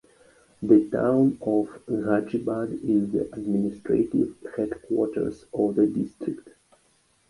The town of Ghaziabad is the administrative headquarters of the district.